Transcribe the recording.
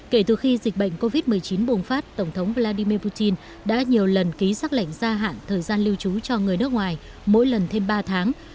kể từ khi dịch bệnh covid một mươi chín bùng phát tổng thống vladimir putin đã nhiều lần ký xác lệnh gia hạn thời gian lưu trú cho người nước ngoài mỗi lần thêm ba tháng